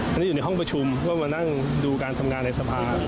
มันอยู่ในห้องประชุมเขาก็มาดูการทำงานในสภาพ